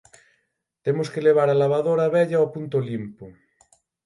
Temos que levar a lavadora vella ó punto limpo.